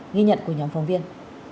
nghi nhận của nhóm phóng viên